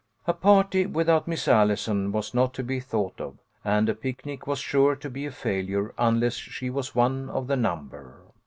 A party without Miss Allison was not to be thought of, and a picnic was sure to be a failure unless she was one of the number.